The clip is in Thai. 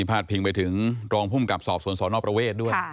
มิพาสผิงไปถึงรองพุ่มกับสอบศนนประเวทรด้วย